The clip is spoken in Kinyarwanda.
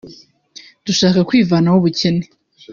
dushaka kwivanaho ubukene